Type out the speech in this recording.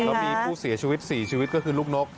แล้วมีผู้เสียชีวิต๔ชีวิตก็คือลูกนก